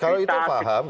kalau itu paham